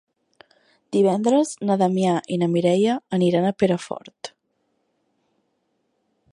Divendres na Damià i na Mireia aniran a Perafort.